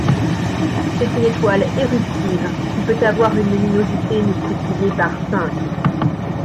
C'est une étoile éruptive qui peut avoir une luminosité multipliée par cinq.